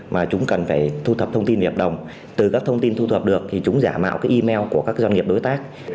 mà chúng cần phải thu thập thông tin hợp đồng từ các thông tin thu thập được thì chúng giả mạo cái email của các doanh nghiệp đối tác